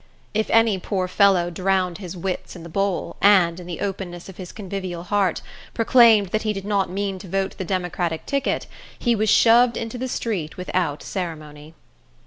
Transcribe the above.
If any poor fellow drowned his wits in the bowl, and, in the openness of his convivial heart, proclaimed that he did not mean to vote the Democratic ticket, he was shoved into the street without ceremony.